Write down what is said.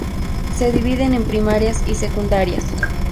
Se dividen en primarias y secundarias.